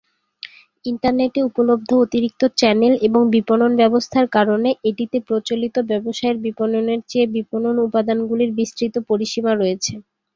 ইন্টারনেটে উপলব্ধ অতিরিক্ত চ্যানেল এবং বিপণন ব্যবস্থার কারণে এটিতে প্রচলিত ব্যবসায়ের বিপণনের চেয়ে বিপণন উপাদানগুলির বিস্তৃত পরিসীমা রয়েছে।